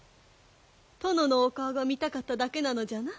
殿のお顔が見たかっただけなのじゃな？